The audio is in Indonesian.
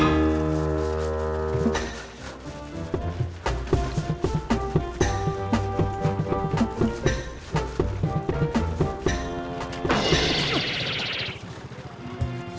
ya sudah sudah